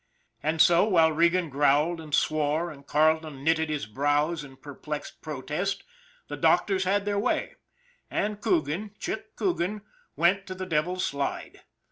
And so, while Regan growled and swore, and Carle ton knitted his brows in perplexed protest, the doctors had their way and Coogan, Chick Coogan, went to the Devil's Slide.